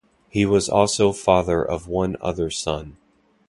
He was also father of one other son.